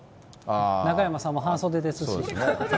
中山さんも半袖ですし。